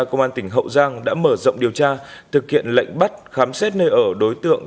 công an tỉnh hậu giang đã mở rộng điều tra thực hiện lệnh bắt khám xét nơi ở đối tượng